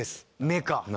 目か。